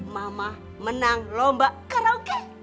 mama menang lomba karaoke